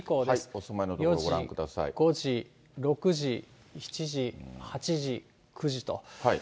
お住まいの所、４時、５時、６時、７時、８時、９時と。